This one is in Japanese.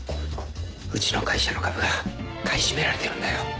うちの会社の株が買い占められてるんだよ。